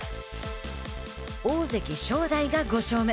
大関・正代が５勝目。